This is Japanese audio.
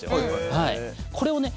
はいこれをね